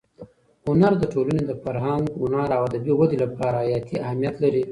هنر د ټولنې د فرهنګ، هنر او ادبي ودې لپاره حیاتي اهمیت لري.